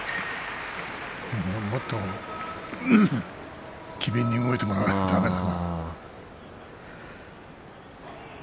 もっと機敏に動いてもらわないとだめだな。